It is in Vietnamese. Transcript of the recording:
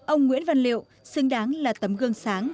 ông nguyễn văn liệu xứng đáng là tấm gương sáng